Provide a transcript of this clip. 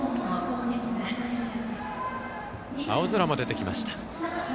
青空も出てきました。